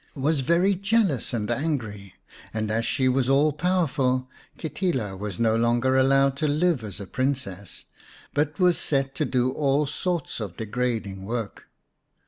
xvii Or, the Moss Green Princess very jealous and angry, and as she was all powerful, Kitila was no longer allowed to live as a Princess, but was set to do all sorts of degrading work.